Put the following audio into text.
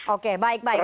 oke baik baik